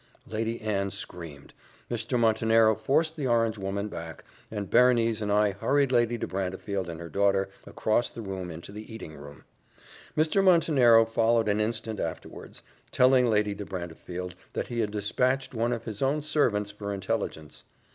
Lady Anne screamed. Mr. Montenero forced the orange woman back, and Berenice and I hurried Lady de Brantefield and her daughter across the hall into the eating room. Mr. Montenero followed an instant afterwards, telling Lady de Brantefield that he had despatched one of his own servants for intelligence.